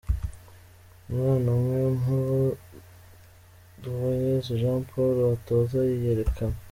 Umwana umwe mu bo Nduwayezu Jean Paul atoza yiyerekana.